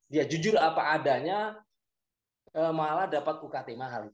dia jujur apa adanya malah dapat ukt mahal